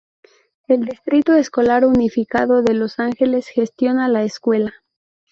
El Distrito Escolar Unificado de Los Ángeles gestiona la escuela.